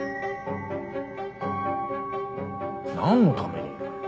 何のために？